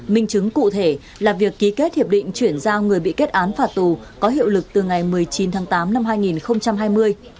minh chứng cụ thể là việc ký kết hiệp định chuyển giao người bị kết án phạt tù có hiệu lực từ ngày một mươi chín tháng tám năm hai nghìn hai mươi